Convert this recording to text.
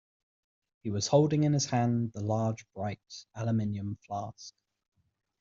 He was holding in his hand the large, bright aluminium flask.